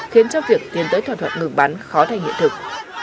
khiến cho việc tiến tới thuận thuật ngừng bắn khó thành hiện thực